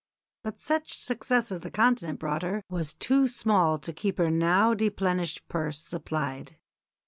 But such success as the Continent brought her was too small to keep her now deplenished purse supplied.